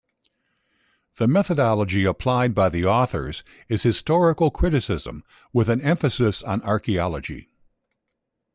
The methodology applied by the authors is historical criticism with an emphasis on archaeology.